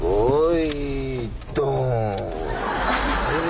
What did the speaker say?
はい。